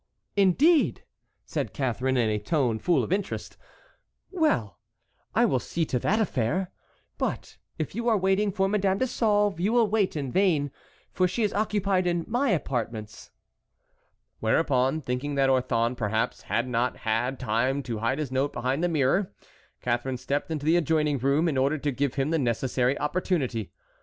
"Indeed!" said Catharine, in a tone full of interest; "well, I will see to that affair. But if you are waiting for Madame de Sauve you will wait in vain, for she is occupied in my apartments." Whereupon, thinking that Orthon perhaps had not had time to hide his note behind the mirror, Catharine stepped into the adjoining room in order to give him the necessary opportunity.